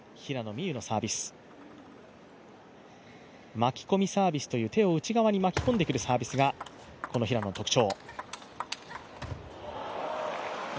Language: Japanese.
巻き込みサービスという手を内側に巻き込んでくるサービスが平野の特徴。